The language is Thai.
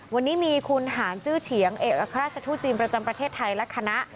วันนี้มีคุณหารจื้อเฉียงเอกอัครราชทูตจีนประจำประเทศไทยและคณะ